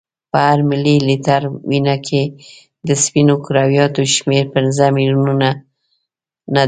په هر ملي لیتر وینه کې د سپینو کرویاتو شمیر پنځه میلیونه نه دی.